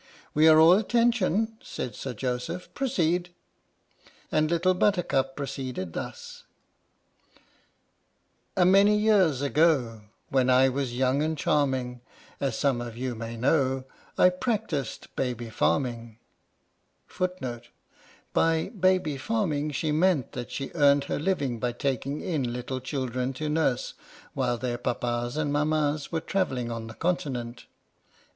" We are all attention," said Sir Joseph. " Pro ceed." And Little Buttercup proceeded thus: A many years ago, When I was young and charming, As some of you may know, I practised baby farming, 1 The crew were most interested in this piece of 1 By ' baby farming ' she meant that she earned her living by taking in little children to nurse, while their Papas and Mamas were travelling on the Continent.